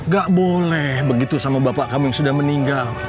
gak boleh begitu sama bapak kamu yang sudah meninggal